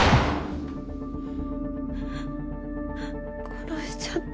殺しちゃった。